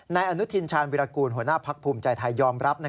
นายอนุทินชาญวิรากูลหัวหน้าพักภูมิใจไทยยอมรับ